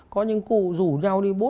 có những cụ rủ nhau đi